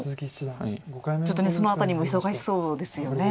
ちょっとその辺りも忙しそうですよね。